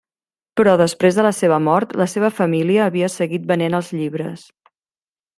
Però, després de la seva mort, la seva família havia seguit venent els llibres.